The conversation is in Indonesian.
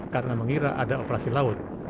karena mengira ada operasi laut